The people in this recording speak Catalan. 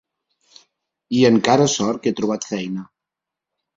I encara sort que ha trobat feina!